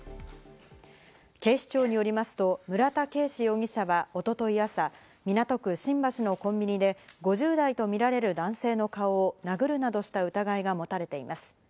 警視庁によりますと村田圭司容疑者は一昨日朝、港区新橋のコンビニで５０代とみられる男性の顔を殴るなどした疑いが持たれています。